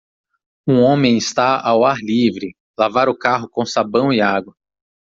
Um homem está ao ar livre, lavar o carro com sabão e água.